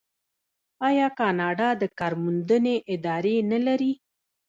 آیا کاناډا د کار موندنې ادارې نلري؟